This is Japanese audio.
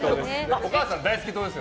お母さん大好き党です。